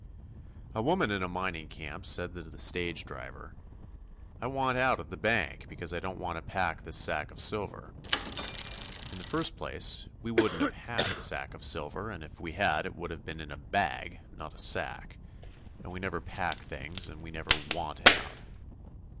A woman in a mining camp said to the stage driver, "I want out at the bank because I don't want to pack this sack of silver." In the first place we wouldn't have had a sack of silver and if we had, it would have been in a "bag" not a "sack," and we never "pack" things and we never "want out."